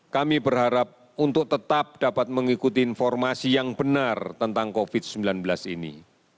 kami berharap untuk tetap dapat mengikuti informasi yang benar tentang covid sembilan belas ini